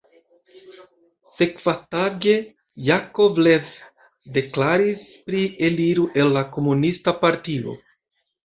Sekvatage Jakovlev deklaris pri eliro el la komunista partio.